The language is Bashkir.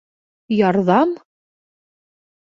— Ярҙам?!